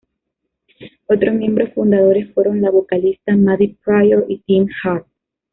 Otros miembros fundadores fueron la vocalista Maddy Prior y Tim Hart.